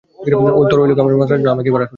তোর ওই লোক আমাকে মারার জন্য আমাকেই ভাড়া করছে।